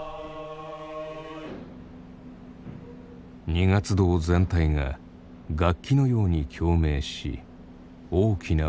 二月堂全体が楽器のように共鳴し大きな音が響く。